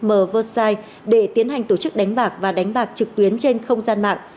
ở versailles để tiến hành tổ chức đánh bạc và đánh bạc trực tuyến trên không gian mạng